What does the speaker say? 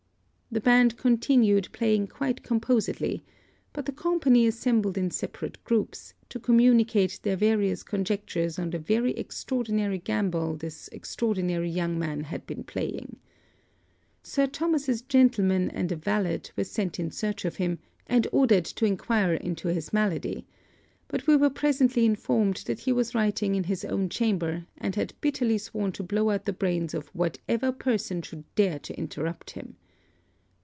The band continued playing quite composedly; but the company assembled in separate groups, to communicate their various conjectures on the very extraordinary gambol this extraordinary young man had been playing. Sir Thomas's gentleman and a valet were sent in search of him and ordered to enquire into his malady; but we were presently informed that he was writing in his own chamber, and had bitterly sworn to blow out the brains of whatever person should dare to interrupt him.